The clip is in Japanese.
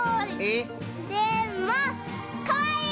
でもかわいい！